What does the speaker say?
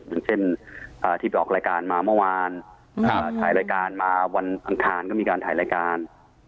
อย่างเช่นที่ไปออกรายการมาเมื่อวานถ่ายรายการมาวันอังคารก็มีการถ่ายรายการ